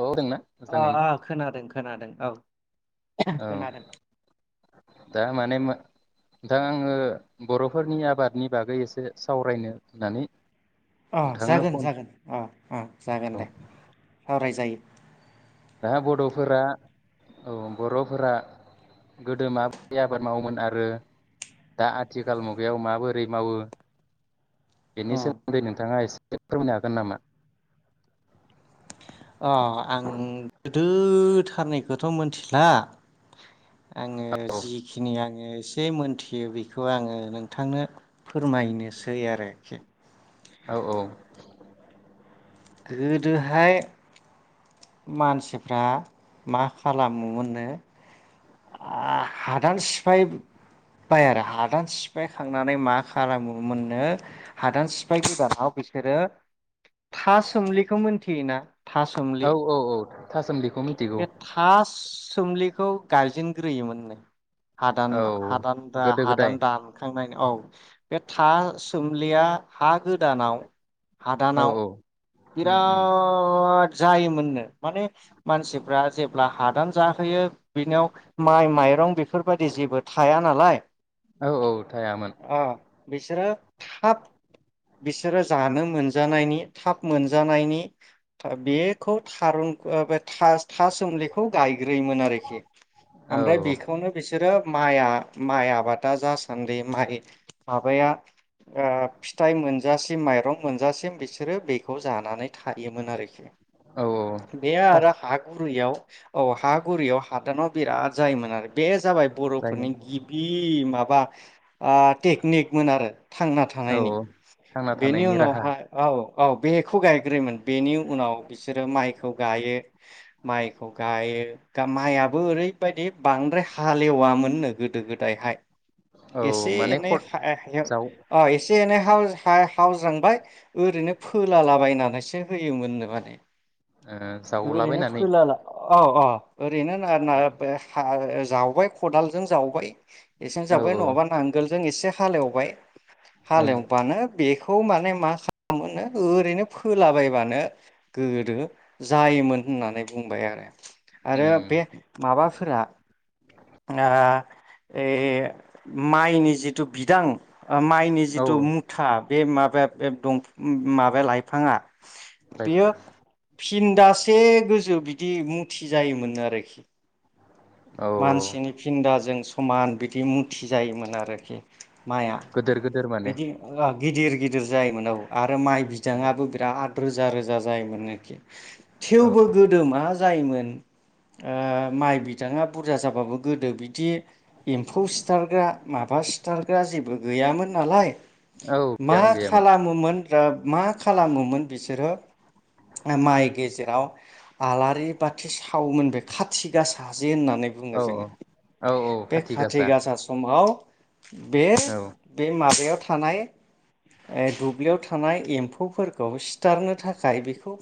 औ दोंना अ मोजाङैनो अ खोनादों खोनादों औ औ खोनादों दा माने मो दा आङो बर'फोरनि आबादनि बागै एसे सावरायनो होननानै अ नोंथांनो जागोन फन जागोन अ अ जागोन औ दे सावराय जायो। दा बड'फोरा औ बर'फोरा गोदो माबोरै आबाद मावोमोन आरो दा आथिखाल मुगायाव माबोरै मावो? बेनि उम सोमोन्दै नोंथाङा एसे फोरमायनो हागोन नामा? अ आं गोदोथारनैखौथ' मिथिला। आङो औ जिखिनि आं एसे मोनथियो बेखौ आङो नोंथांनो फोरमायनोसै आरोखि। औ औ गोदोहाय मानसिफ्रा मा खालामोमोननो हादान सिफायबाय आरो हादान सिफाय खांनानै मा खालामोमोननो हादान सिफाय गोदानाव बिसोरो फास सोमलिखौ मोनथियोना? औ औ औ थासोमलि बे थास सोमलिखौ गारजेनग्रोयोमोन नो। औ गोदो गोदाय हादान-हादानदा-हादान दाखांनायनि औ बे था सोमलिया। हा गोदानाव औ हादानाव। औ उम उम बिराद द जायोमोननो माने मानसिफ्रा जेब्ला हादान जाहोयो बिनिाव माइ माइरं बेफोरबायदि जेबो थाया नालाय। औ औ थायामोन। अ बिसोरो थाब बिसोरो जानो मोनजानायनि थाब मोनजानायनि बेखौ थारुन बे थास-थाससोमलेखौ गायग्रोयोमोन आरोखि औ ओमफ्राय बेखौनो बिसोरो माइआ माइ आबादा जासान्दि माइ माबाया ओ फिथाइ मोनजासिम माइरं मोनजासिम बिसोरो बे खौ जानानै थायोमोन आरोखि औ बे औ आरो हा गुरैयाव औ हागुरियाव हादानाव बिराद जायोमोन आरो बे जाबाय जायोमोन बर'फोरनि गिबि माब बा ओ टेकनिकमोन आरो थांना औ थानायनि औ थांना बेनि थानायनि राहा उनावहाय औ। औ बेखौ गाय गोरोमोन बेनि उनाव बिसोरो माइ खौ गायो माइखौ गायो माइयाबो ओरैबायदि बांद्राय हालेवामोननो गोदो गोदायहाय। औ एसे माने एनै खद हेब जाव ओ जेनै हाव-हावज्रांबाय ओरैनो फोलालाबायनानैसो होयोमोननो माने। ओ ओरैनो जावलाबायनानै फैलाला औ औ ओरैनो ना हा जावबाय खदालजों जावबाय। एसेबां औ जाबाय औ नङाबा नांगोल। जों एसे हालेवबाय। ओं हालेवबानो बेखौ। खौ माने मा साम मोनो। ओरैनो फोलाबायबानो गोदो जायोमोन होननानै बुंबाय आरो आरो उम बे माबाफोरा। ना ए माइनि जिथु बिदां ओ माइनि औ जिथु मुथा। बे माबाया बे दंफं माबाया लाइफाङा। राइट बियो। फिनदासे गोजौ बिदि मुथि जायोमोन आरोखि। औ मानसिनि फिन्दाजों। समान बिदि मथि जायोमोन आरोखि। माया गोदोर गोदोर माने बिदि उङां गिदिर गिदिर जायोमोन औ आत ओरो माइ बिदांङाबो बिराद। रोजा रोजा जायोमोन आरोखि औ थेवबो गोदोमा जायोमोन ओ माइ बि बिदांङा बुरजा जाबाबो गोदो बिदि एम्फौ सिथारग्रा माबा सिथारग्रा जेबो गैयामोन नालाय। औ मा गैयामोन गैयामोन खालामोमोन [unintelligible] मा खालामोमोन बिसोरो माइ गेजेराव आलारि बाथि सावोमोन बे खाथिगासि। हाजि होननानै औ बुङो जोङो औ औ बे खाथि गासा समाव। बे औ बे माबायाव। थानाय ओ दुब्लियाव थानाय एम्फौफोरखौ सिथारनो थाखाय बेखौ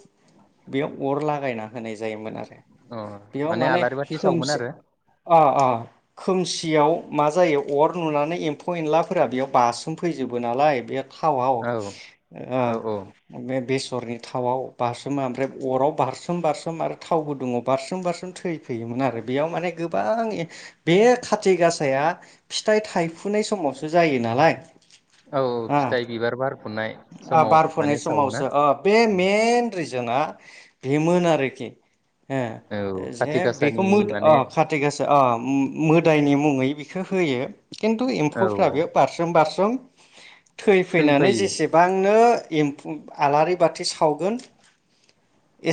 बेयाव अर लागायना होनाय जायोमोन आरो। अ बेयाव माने आलारि बाथ सावमोन खोमसि आरो अ अ खोमसियाव मा जायो अर नुनानै एम्फौ एनलाफोरा बेयाव बासोमफैजोबो नालाय बे। थावआव औ ओ औ औ बे बेस अरनि थाव बारसोमो ओमफ्राय अराव बारसोम बारसोम आरो थाव गुदुंआव बारसोम बारसोम थै। थैयोमोन आरो बेयाव माने गोबां बे खाथि गासाया फिथाइ थायफुनाय समावसो जायो नालाय। औ हा फिथाइ बिबार बार फुनाय समाव बारफोनाय माने सावो ना। रिजना बेमोन आरोखि। हे औ जे। खाथि बेखौ गासानि मोद अ माने खाथि गासा अ उम मोदायनि मुङै बि बिखो होयो खिन्थु एम्फौफ्राबो औ बेयाव बारसोम बारसोम, जों थै फैनानै थैफायो जेसेबांनो एम्फौ आलारि बाथि सावगोन,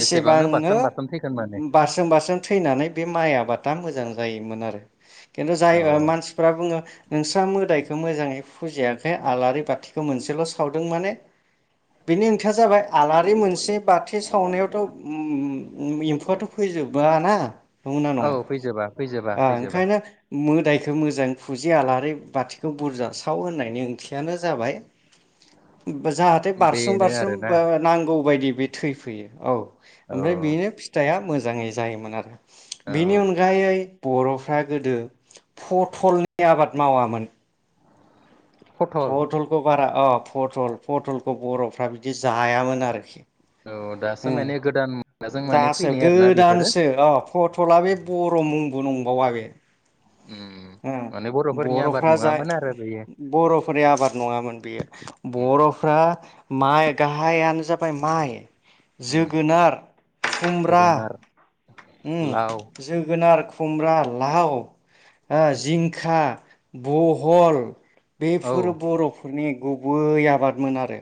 एसेबांनो बारसन बारसन थैगोन माने बारसोम बारसोम, थैनानै बे माइ आबादा मोजां जायोमोन आरो खिन्थु जाय औ मानसिफोरा बुङो, नोंस्रा मोदायखौ मोजाङै फुजियाखै आलारि बाथिखौ मोनसेल' सावदों माने बेनि ओंथिया जाबाय। आलारि मोनसे बाथि सावनायावथ' एम्फौआथ' फैजोबा ना नंगौ ना नङा औ फैजोबा फैजोबा फैजोबा ओंखायनो मोदाय बेखो मोजांङै फुजि आलारि बाथिखौ बुरजा साव होननायनि ओंथियानो जाबाय, जाहाथे बारसोम बेनो बारसोम आरोना नांगौ बायदि बि थै फैयो औ औ ओमफ्राय बेनो फिथाइआ मोज मोजाङै जायोमोन आरो [inaudible] औ बेनि अनगायै बर'फ्रा गोदो फथ'लनि आबाद मावामोन, पटल फथ'लखौ बारा अ पटल पटलखौ बर'फ्रा बिदि जायामोन आरोखि, औ दासो उम माने गोदान मुगाजों माने दासो फैनाय आरोना बेफोरो गोदानसो अ फट'ला बे बर' मुं नंबावा बे उम माने उम बर'फोरनि आबाद बर'फ्रा जाय नङामोन आरो बेयो बर'फोरनि आबाद नङामोन बेयो उम बर'फ्रा, माइ गाहायानो जाबाय माइ, उम जोगोनार खुमब्रा जोगोनार उम लाव जोगोनार खुमब्रा लाव ओ जिंखा बहल, औ बेफोर बर'फोरनि गुबै आबादमोन आरो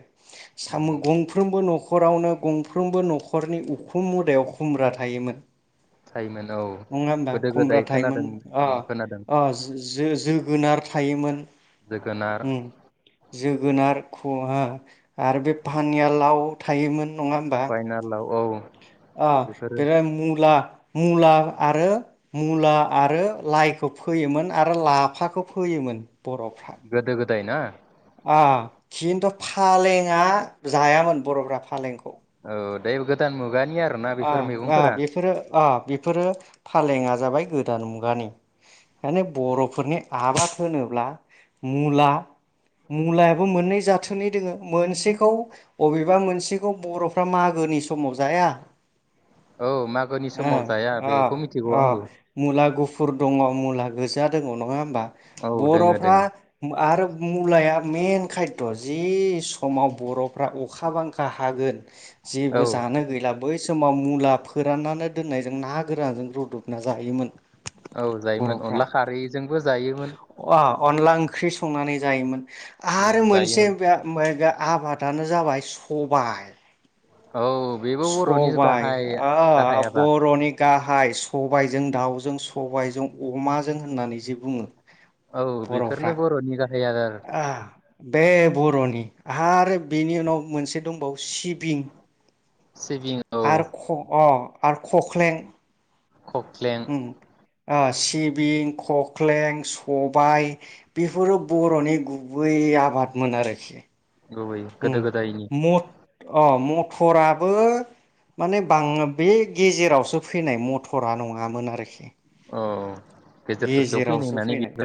सामो उम गंफ्रोमबो न'ख न'खरावनो गंफ्रोमबो न'खरनि उखुम मुदायाव खुमब्रा थायोमोन, थायोमोन औ नङा होमबा गोदो गोदाय खुमब्रा खोनादों थायोमोन अ उम खोनादों अ जो जो गोनार थायोमोन। जोगोनार। उम जोगोनार खहा। आरो बे पानिया लाव। थायोमोन। नङा होमबा फाइना लाव औ। अ बेफोरो बेेरा मुला। मुला आरो मुला आरो लाइखौ फोयोमोन आरो लाफाखौ फोयोमोन। बर'फ्रा। दायना। [unintelligible] खिन्थु फालेङा जायामोन बर'फ्रा फालेंखौ। [unintelligible] गोदान मुगानि आरो ना आ बेफोर आ मैगंफोरा। बेफोरो आ बेफोरो फालेङा जाबाय गोदान मुगानि माने बर'फोरनि आबाद होनोब्ला मुला मुलायाबो मोननै जाथोनै दोङो मोनसेखौ अबेबा मोनसेखौ बर'फ्रा मागोनि समाव जाया। [inaudible] ह औ मागोनि समाव जाया अ बेखौ मिथिगौ अ आंबो मुला गुफु फुर दङ मुला गोजा दङ नङा होम बा औ दोङो बर'फ्रा दोङो आरो मुलाया। मेन खायद' जि समाव बर'फ्रा अखा बांखा हागोन। जेबो औ जानो गैला। बै समाव मुला फोराननानै दोननायजों ना गोरानजों रुदबना जायोमोन। औ जायोमोन बर'फ्रा अनला खारैजोंबो जायोमोन। अनला ओंख्रि संनानै जायोमोन। उम आरो मोनसे जायोमोन बे [unintelligible] आबादानो जाबाय सबाइ। औ बेबो बर'नि सबाइ गाहाय आ गाहाय आबाद बर'नि गा हाय सबाइजों दाउजों सबाइजों अमाजों होननानै जे बुङो। औ बर'फ्रा बेफोरनो बर'नि गा बे [unintelligible] आ बे बर'नि आरो बेनि उनाव मोनसे दंबावो सिबिं। सिबिं औ आरो ख अ। आर कक्लें। कक्लें। ओ सिबिं ककलें स हबाय बेफोरो बर'नि गुबै आबादमोन आरोखि गुबै गोदो गोदायनि ओम मत अ म टराबो माने बाङो बे गेजेरावसो फैनाय मटरा नङामोन आरोखि ओ गेजेरावसो फैनाय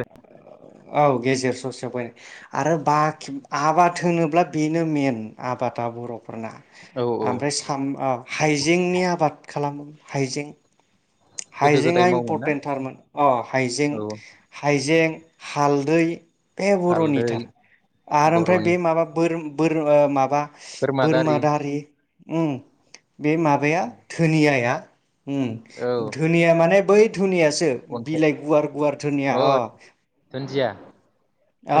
औ गेजेर ससेयाव बायनाय आरो बाखि आबाद होनोब्ला बेनो मेन आबादा बर'फोरना औ औ आमफाय सामबाम हाइजेंनि आबाद खालामो हाइजें गोदो हाइजेंआ गोदाय मावोमोन ना इम्परटेन्टथारमोन अ हाइजें औ हाइजें हालदै बे हालदै बर'निथार आरो ओमफ्राय बर'नि बे माबा बोरोम बोर माबा बोरमा दारि ओम बे माबाया धोनियाया औ उम धोनिया माने बै धुनियासो अन्थाइ बिलाइ गुवार गुवार धोनिया अ दुन्दिया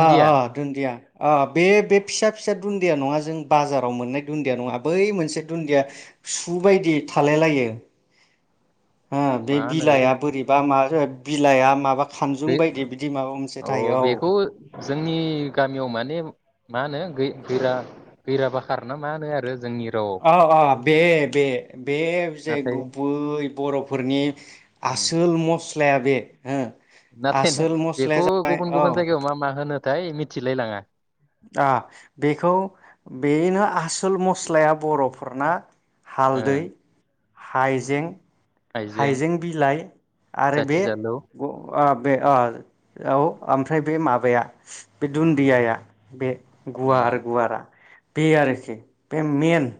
अ अ दुन्दिया अ बे बे फिसा फिसा दुन्दिया नङा जों बाजाराव मोननाय दुन्दिया नङा बै मोनसे दुन्दिया सु बायदि थालाय लायो हो बे मा होनो बिलाइआ बोरैबा मा जाथ बिलाइआ माबा खानजुं बे बायदि बिदि माबा मोनसे अ थायो औ बेखौ जोंनि गामियाव माने मा होनो गै गैरा गैराबाखारना ना मा होनो आरो जोंनि रावआव अ अ बे बे बेजे नाथाय गुबै बर'फोरनि उम आसोल मस्लाया बे हो नाथाय आसोल नोंथां मस्लाया बेखौ जाबाय गुबुन औ गुबुन जायगायाव मा मा होनो थाय मिथिलाय लाङा आ बेखौ बेनो आसोल मस्लाया बर'फोरना ओ हालदै हायजें हाइजें बिलाइ आरो जाथि बे जालौ अ ओब बे अ औ ओमफ्राय बे माबाया बे दुन्दियाया बे उम गुवार गुवारा बे आरोखि बे मेन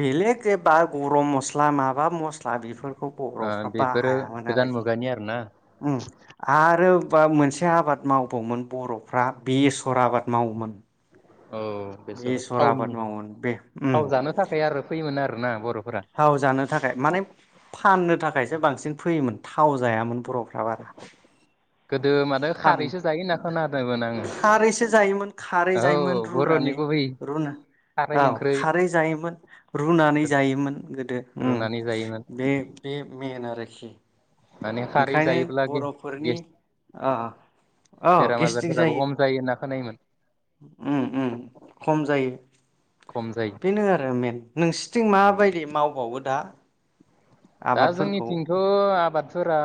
बेलग एबा गरम मस्ला माबा मस्ला बेफोरखौ ओ बर'फ्रा बेफोरो बाहायामोन गोदान आरोखि। मुगानि आरोना उम आरो बा मोनसे आबाद मावबावोमोन बर'फ्रा बेसर आबाद मावोमोन। औ बेसर आबाद थावनि, मावोमोन बे उम थाव जानो थाखाय आरो फैयोमोन आरोना बर' थाव जानो थाखाय माने फाननो थाखाय। बांसिन फैयोमोन थाव जायामोन बर' फ्रा बारा गोदो माथो फान खारैसो जायो होनना खोनादोंमोन आङो [inaudible] खारैसो जायोमोन खारै औ जायोमोन बर'नि रुनानैु गुबै रुना- खारै औ ओंख्रै खारै जायोमोन रुनानै जायोमोन गोदो रुनानै जायोमोन बे बे मेन आरोखि माने खारै जायोब्ला गे-गेस ओ, ओ गेस्टिक जायो। खम होनना खोनायोमोन। उम उम खम जायो खम जायो बेनो आरो मेन, नोंसोरथिं उम माबायदि मावबावो? दा दा आबादफोरखौ जोंनिथिंथ' आबाद फोरा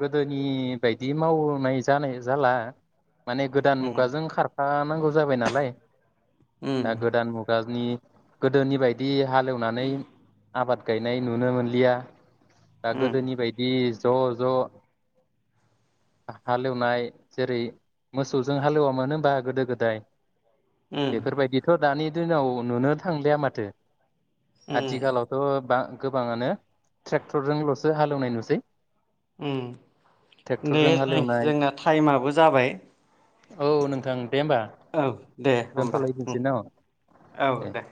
गोदोनि बायदि मावनाय जानाय जाला। माने गोदान उम मुगाजों खारफानांगौ जाबाय नालाय दा उम गोदान मुगानि गोदोनि बायदि हालेवनानै आबाद गायनाय नुनो मोनलिया। दा उम गोदनि बायदि ज' ज' [inaudible] हालेवनाय जेरै मोसौजों हालेवामोन हबा गोदो गोदाय? उम बेफोरबायदिथ' दानि दिनाव नुनो थांलिाया माथो। उम आथिखालावथ' बा गोबाङानो ट्रेक्टरजों ल'सो हालेवनाय नुसै। उम दे ट्रेक्टरजों दे हालेवनाय जोंना टाइमाबो जाबाय औ नोंथां दे होमबा [inaudible] औ दे होमबा उम, दोनथ'लायनोसै न' औ दे।